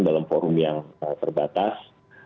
dalam forum yang terbatas